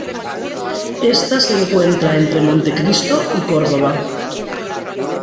Esta se encuentra entre Montecristo y Córdoba.